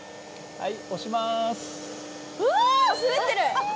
はい。